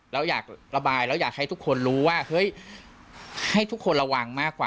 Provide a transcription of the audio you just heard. เราอยากระบายแล้วอยากให้ทุกคนรู้ว่าเฮ้ยให้ทุกคนระวังมากกว่า